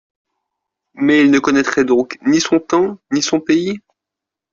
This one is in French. Mais il ne connaitrait donc ni son temps ni son pays.